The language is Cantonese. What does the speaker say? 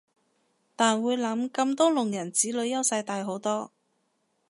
但會諗咁多聾人子女優勢大好多